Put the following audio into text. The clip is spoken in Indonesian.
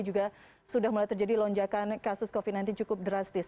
juga sudah mulai terjadi lonjakan kasus covid sembilan belas cukup drastis